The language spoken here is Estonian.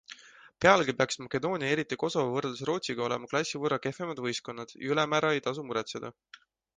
Pealegi peaksid Makedoonia ja eriti Kosovo võrreldes Rootsiga olema klassi võrra kehvemad võistkonnad ja ülemäära ei tasu muretseda.